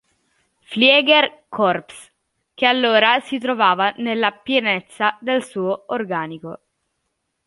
Fliegerkorps", che allora si trovava nella pienezza del suo organico.